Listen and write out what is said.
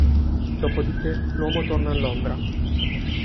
Dopodiché l'uomo torna a Londra.